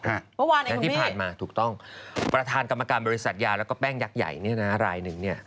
เมื่อวานไอ้คุณมี๊ถูกต้องประธานกรรมการบริษัทยาแล้วก็แป้งยักษ์ใหญ่นี่นะรายหนึ่งเนี่ย